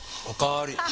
お代わり。